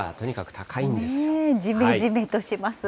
じめじめとしますね。